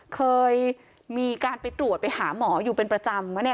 เคยมีการไปตรวจไปหาหมออยู่เป็นประจำปะเนี่ย